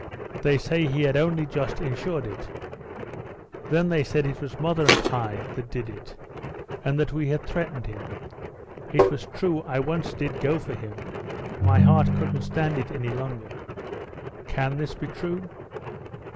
They say he had only just insured it. Then they said it was mother and I that did it, and that we had threatened him. It is true I once did go for him, my heart couldn't stand it any longer." "Can this be true?"